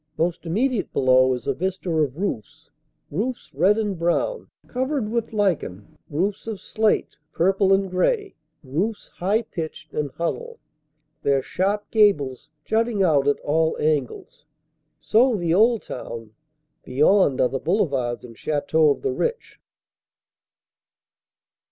Most immediate below is a vista of roofs roofs red and brown, covered with lichen; roofs of slate, purple and gray; roofs high pitched and huddled, their sharp gables jutting out at all angles. So the old town ; beyond are the boulevards and chateaux of the rich.